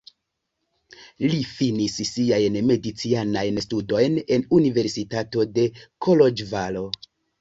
Li finis siajn medicinajn studojn en Universitato de Koloĵvaro.